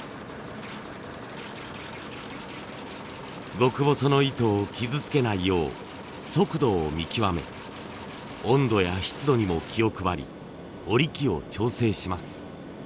極細の糸を傷つけないよう速度を見極め温度や湿度にも気を配り織機を調整します。